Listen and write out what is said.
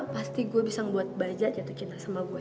pasti gue bisa buat bajak jatuh cinta sama gue